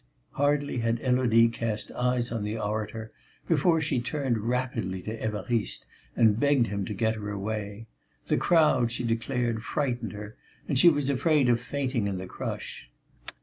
Hardly had Élodie cast eyes on the orator before she turned rapidly to Évariste and begged him to get her away. The crowd, she declared, frightened her and she was afraid of fainting in the crush.